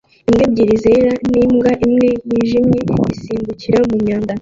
imbwa ebyiri zera n'imbwa imwe yijimye isimbukira mu mwanda